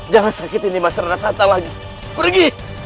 jangan lupa untuk berhenti